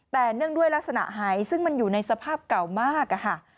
แต่เนื่องด้วยลักษณะหายซึ่งมันอยู่ในสภาพเก่ามากอะค่ะ